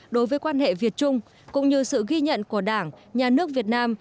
đối với quan hệ việt trung cũng như sự ghi nhận của đảng nhà nước việt nam